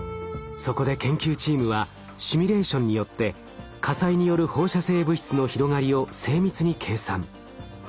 そこで研究チームはシミュレーションによって火災による放射性物質の広がりを精密に計算。